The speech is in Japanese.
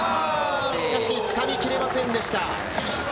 しかし、掴みきれませんでした。